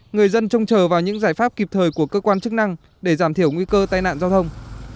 người dân trông chờ vào những giải pháp kịp thời của cơ quan chức năng để giảm thiểu nguy cơ tai nạn giao thông